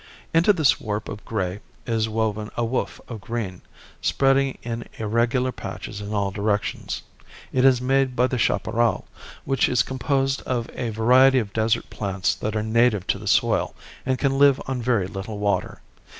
Into this warp of gray is woven a woof of green, spreading in irregular patches in all directions. It is made by the chaparral, which is composed of a variety of desert plants that are native to the soil and can live on very little water.